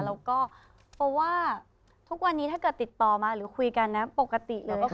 แล้วก็เพราะว่าทุกวันนี้ถ้าเกิดติดต่อมาหรือคุยกันนะปกติเลยก็คือ